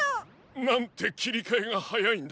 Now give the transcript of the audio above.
なんてきりかえがはやいんだ。